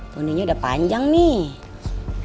bundunya udah panjang nih